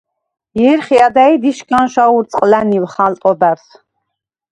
ჲერხი ადა̈ჲდ იშგანშვ აურწყვლა̈ნივხ ამ ტობა̈რს.